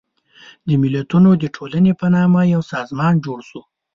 د ملتونو د ټولنې په نامه یو سازمان جوړ شو.